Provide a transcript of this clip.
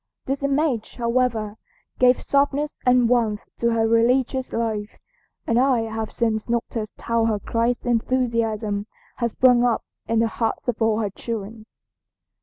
This image, however, gave softness and warmth to her religious life, and I have since noticed how her Christ enthusiasm has sprung up in the hearts of all her children."